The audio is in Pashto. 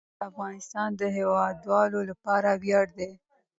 مزارشریف د افغانستان د هیوادوالو لپاره ویاړ دی.